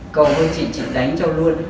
cầu hôn chị chị đánh cho luôn